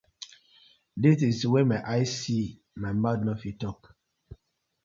Di tinz wey my eye see my mouth no fit tok.